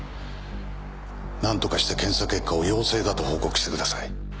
なんとかして検査結果を陽性だと報告してください。